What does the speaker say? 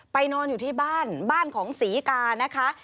นอนอยู่ที่บ้านบ้านของศรีกานะคะ